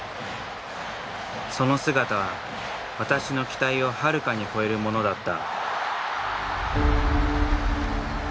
その姿は私の期待をはるかに超えるものだった。